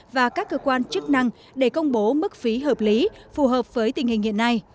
và các cơ quan chức năng để công bố mức phí hợp lý phù hợp với tình hình hiện nay